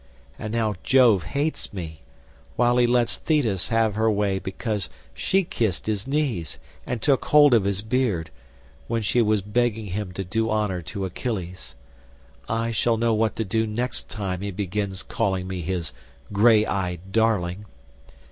And now Jove hates me, while he lets Thetis have her way because she kissed his knees and took hold of his beard, when she was begging him to do honour to Achilles. I shall know what to do next time he begins calling me his grey eyed darling.